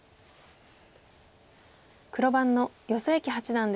黒番の余正麒八段です。